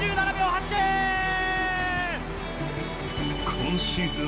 今シーズン